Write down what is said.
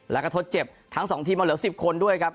แล้วก็ทดเจ็บทั้ง๒ทีมมาเหลือ๑๐คนด้วยครับ